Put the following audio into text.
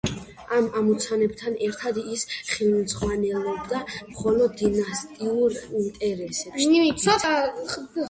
ამ ამოცანებთან ერთად ის ხელმძღვანელობდა მხოლოდ დინასტიური ინტერესებით.